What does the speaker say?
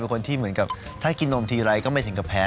คนที่เหมือนกับถ้ากินนมทีไรก็ไม่ถึงกับแพ้